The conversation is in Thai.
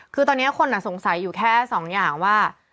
คือตอนนี้คนสงสัยอยู่แค่สองอย่างว่า